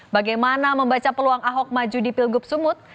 bagaimana membaca peluang ahok maju di pilgub sumut